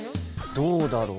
どうだろう？